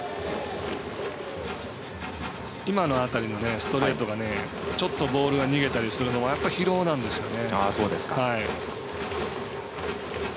ストレートがちょっとボールが逃げたりするのが疲労なんですよね。